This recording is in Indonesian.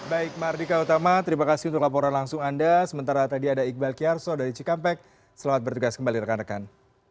baik mardika utama terima kasih untuk laporan langsung anda sementara tadi ada iqbal kiarso dari cikampek selamat bertugas kembali rekan rekan